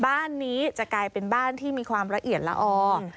บ้านนี้จะกลายเป็นบ้านที่มีความละเอียดละออ